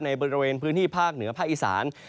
ในบริเวณพื้นที่ภาคเหนือภาคอีสาน